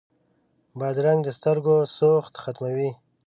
بادرنګ د سترګو سوخت ختموي.